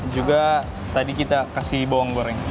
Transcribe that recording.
juga tadi kita kasih bawang goreng